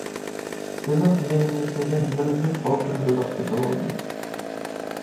بېلىق يايمىسىدىن بىر جۈپ ئالتۇن بېلىق سېتىۋالدىم.